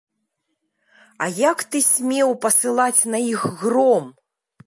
А як ты смеў пасылаць на іх гром?